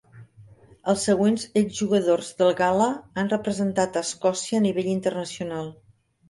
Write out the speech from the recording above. Els següents exjugadors del Gala han representat a Escòcia a nivell internacional.